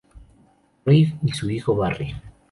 Rabe y su hijo Barry.